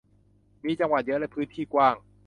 มีจังหวัดเยอะและพื้นที่กว้าง